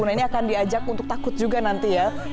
nah ini akan diajak untuk takut juga nanti ya